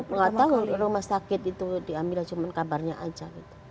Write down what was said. enggak tahu rumah sakit itu di amelia cuma kabarnya saja